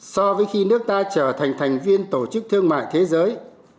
so với khi nước ta trở thành thành viên tổ chức thương mại thế giới